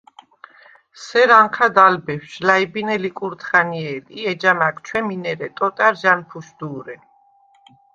სერ ანჴა̈დ ალ ბეფშვ, ლა̈იბინე ლიკურთხა̈ნიე̄ლ ი ეჯამა̈გ ჩვემინ, ერე ტოტა̈რ ჟ’ა̈ნფუშდუ̄რე.